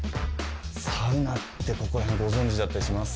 サウナってここら辺ご存じだったりします？